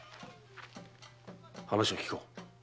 話を聞こう。